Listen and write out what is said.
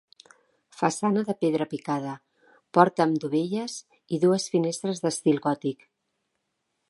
Façana de pedra picada, porta amb dovelles, i dues finestres d'estil gòtic.